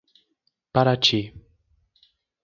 Paraty